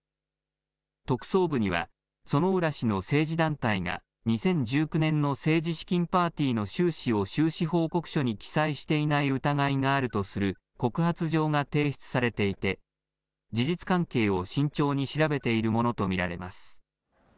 特捜部には、薗浦氏の政治団体が２０１９年の政治資金パーティーの収支を収支報告書に記載していない疑いがあるとする告発状が提出されていて、事実関係を慎重に調べているものと見られます。